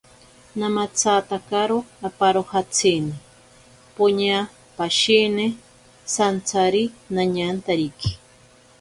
Namatsatakaro aparojatsini, poña pashine santsari nañantariki.